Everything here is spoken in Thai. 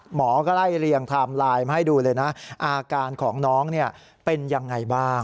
หมอก็ไล่เรียงไทม์ไลน์มาให้ดูเลยนะอาการของน้องเป็นยังไงบ้าง